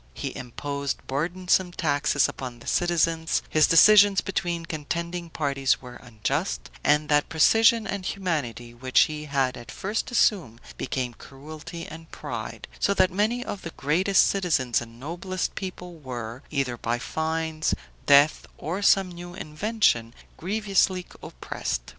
He imposed burdensome taxes upon the citizens; his decisions between contending parties were unjust; and that precision and humanity which he had at first assumed, became cruelty and pride; so that many of the greatest citizens and noblest people were, either by fines, death, or some new invention, grievously oppressed.